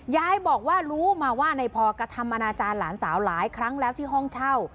ยายบอกว่ารู้มาว่าในพอกระทำอนาจารย์หลานสาวหลายครั้งแล้วที่ห้องเช่า